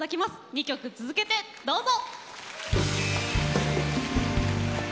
２曲続けてどうぞ。